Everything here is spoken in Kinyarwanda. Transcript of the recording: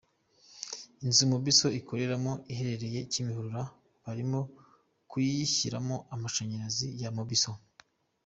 Inzu Mobisol ikoreramo iherereye Kimihurura barimo kuyishyiramo amashanyarazi ya Mobisol.